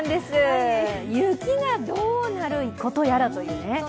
雪がどうなることやらというね。